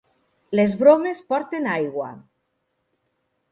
Les bromes porten aigua.